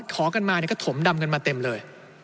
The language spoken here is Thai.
ขอกันมาก็ถมดำกันมาเต็มเลย